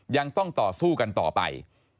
ยังต้องต่อสู้กันต่อไป